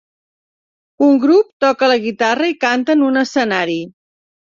Un grup toca la guitarra i canta en un escenari.